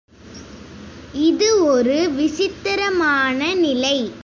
இது ஒரு விசித்திரமான நிலை.